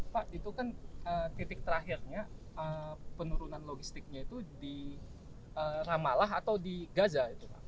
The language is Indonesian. pak itu kan titik terakhirnya penurunan logistiknya itu di ramalah atau di gaza